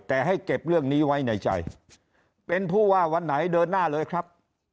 แต่ให้เก็บเรื่องนี้ไว้ในใจเป็นผู้ว่าวันไหนเดินหน้าเลยครับ